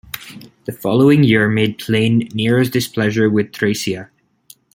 The following year made plain Nero's displeasure with Thrasea.